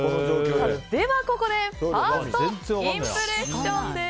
ではここでファーストインプレッションです。